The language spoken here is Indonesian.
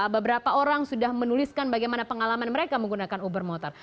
beberapa orang sudah menuliskan bagaimana pengalaman mereka menggunakan uber motor